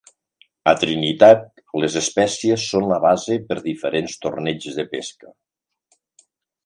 A Trinitat, les espècies són la base per diferents torneigs de pesca.